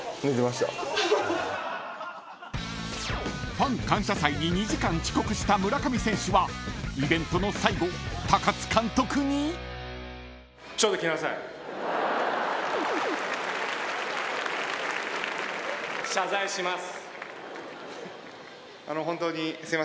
［ファン感謝祭に２時間遅刻した村上選手はイベントの最後津監督に］謝罪します。